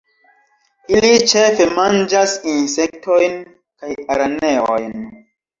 Ili ĉefe manĝas insektojn kaj araneojn.